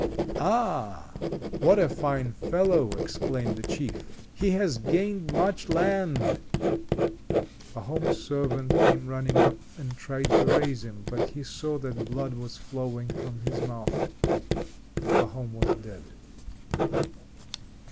"Ah, what a fine fellow!" exclaimed the Chief. "He has gained much land!" Pahom's servant came running up and tried to raise him, but he saw that blood was flowing from his mouth. Pahom was dead!